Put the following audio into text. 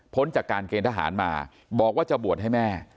จากการเกณฑ์ทหารมาบอกว่าจะบวชให้แม่